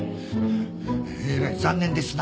えらい残念ですなぁ。